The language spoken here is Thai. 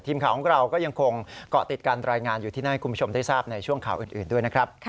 ทีมข่าวของเราก็ยังคงเกาะติดการรายงานอยู่ที่นั่นให้คุณผู้ชมได้ทราบในช่วงข่าวอื่นด้วยนะครับ